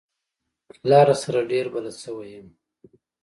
لاره سره ډېر بلد شوی يم.